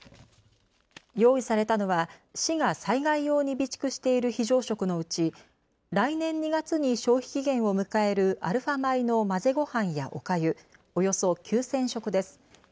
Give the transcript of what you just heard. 用意されたのは市が災害用に備蓄している非常食のうち来年２月に消費期限を迎えるアルファ米の混ぜごはんやおかゆ、およそ９０００食です。